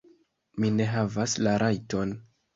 Mi ne havas la rajton?